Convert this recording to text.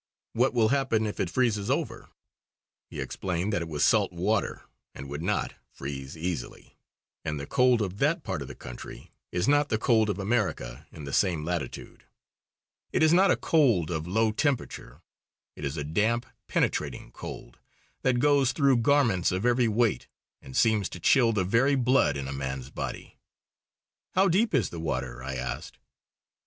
"What will happen if it freezes over?" He explained that it was salt water, and would not freeze easily. And the cold of that part of the country is not the cold of America in the same latitude. It is not a cold of low temperature; it is a damp, penetrating cold that goes through garments of every weight and seems to chill the very blood in a man's body. "How deep is the water?" I asked.